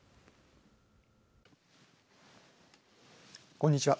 こんにちは。